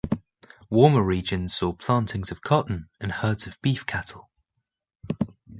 Warmer regions saw plantings of cotton and herds of beef cattle.